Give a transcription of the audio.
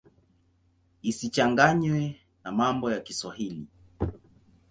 Isichanganywe na mambo ya Kiswahili.